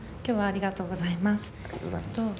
ありがとうございます。